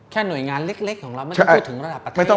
หน่วยงานเล็กของเราไม่ต้องพูดถึงระดับประเทศ